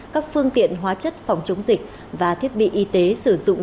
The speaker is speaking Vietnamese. các phương tiện hóa chất phòng chống dịch và thiết bị y tế sử dụng